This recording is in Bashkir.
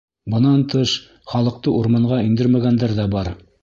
Бынан тыш, халыҡты урманға индермәгәндәр ҙә бар.